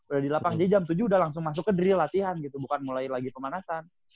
udah di lapangan jadi jam tujuh udah langsung masuk ke drill latihan gitu bukan mulai lagi pemanasan